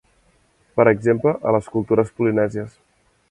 Per exemple, a les cultures polinèsies.